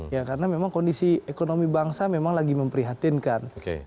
ya karena memang kondisi ekonomi bangsa memang lagi memprihatinkan